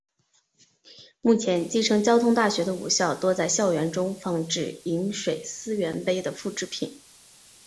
目前继承交通大学的五校多在校园中放置饮水思源碑的复制品。